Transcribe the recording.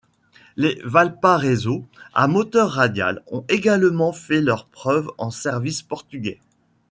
Les Valparaiso à moteur radial ont également fait leurs preuves en service portugais.